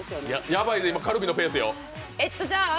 ヤバい、今、カルビのペースよ。